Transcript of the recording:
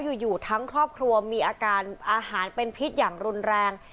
อยู่ทั้งครอบครัวมีอาการอาหารเป็นพิษอย่างรุนแรง